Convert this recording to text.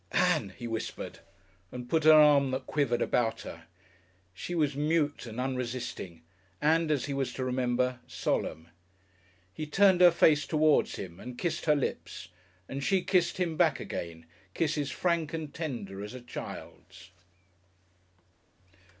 "Ann," he whispered, and put an arm that quivered about her. She was mute and unresisting, and, as he was to remember, solemn. He turned her face towards him, and kissed her lips, and she kissed him back again kisses frank and tender as a child's.